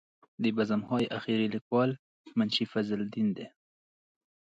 د بزم های اخیر لیکوال منشي فضل الدین دی.